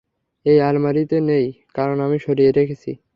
এই আলমারিতে নেই, কারণ আমি সরিয়ে রেখেছি।